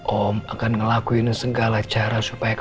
om akan ngelakuin segala cara supaya kamu bisa kembali ke rumah